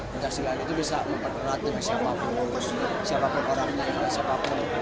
pencaksilat itu bisa memperberat dengan siapapun siapapun orangnya dengan siapapun